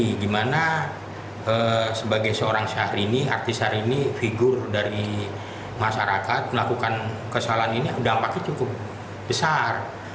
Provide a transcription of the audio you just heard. bagaimana sebagai seorang syahrini artis syahrini figur dari masyarakat melakukan kesalahan ini dampaknya cukup besar